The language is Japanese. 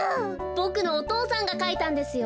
ボクのお父さんがかいたんですよ。